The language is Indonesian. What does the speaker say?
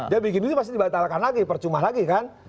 dia bikin ini pasti dibatalkan lagi percuma lagi